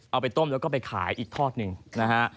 เอาไปต้มแล้วก็ไปขายอีกทอดหนึ่งนะฮะ